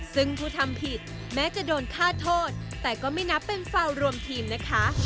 ซึ่งผู้ทำผิดแม้จะโดนฆ่าโทษแต่ก็ไม่นับเป็นฝ่ายรวมทีมนะคะ